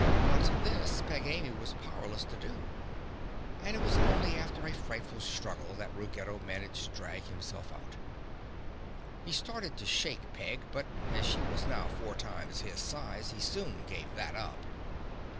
But this Peg Amy was powerless to do and it was only after a frightful struggle that Ruggedo managed to drag himself out. He started to shake Peg but as she was now four times his size he soon gave that up.